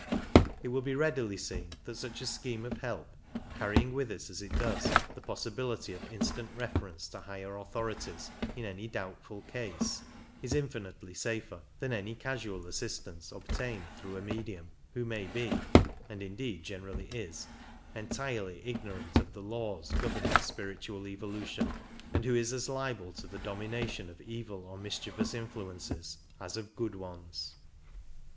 It will be readily seen that such a scheme of help, carrying with it as it does the possibility of instant reference to higher autliorities in any doubtful case, is infinitely safer than any casual assistance obtained through a medium who may be (and indeed generally is) entirely ignorant of the laws" governing spiritual evolution, and who is as liable to the domination of evil or mischievous influences as of good ones.